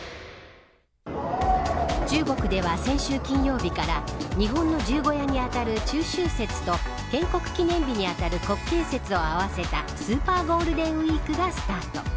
中国では先週金曜日から日本の十五夜に当たる中秋節と建国記念日に当たる国慶節を合わせたスーパーゴールデンウイークがスタート。